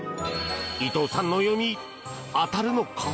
伊藤さんの読み、当たるのか？